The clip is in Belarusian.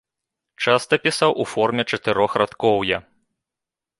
Часта пісаў у форме чатырохрадкоўяў.